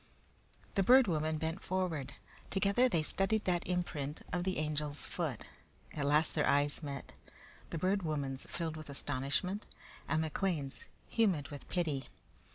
The Bird Woman bent forward. Together they studied that imprint of the Angel's foot. At last their eyes met, the Bird Woman's filled with astonishment, and McLean's humid with pity.